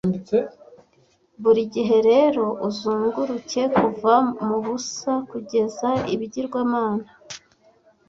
buri gihe rero uzunguruke kuva mubusa kugeza ibigirwamana